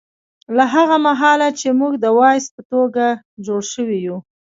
له هغه مهاله چې موږ د ولس په توګه جوړ شوي یو